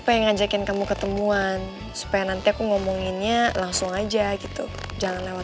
pengen ngajakin kamu ketemuan supaya nanti aku ngomonginnya langsung aja gitu jangan lewat